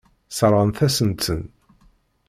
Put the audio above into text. Sseṛɣent-asen-ten.